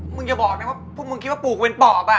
มึงอย่าบอกนะว่าพวกมึงคิดว่าปู่กูเป็นป๊อปอ่ะ